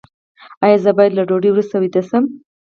ایا زه باید له ډوډۍ وروسته ویده شم؟